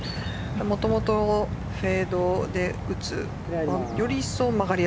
もともとフェードで打つよりより